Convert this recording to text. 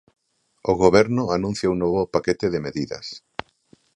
O Goberno anuncia un novo paquete de medidas.